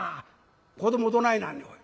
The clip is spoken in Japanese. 子どもどないなんねんおい。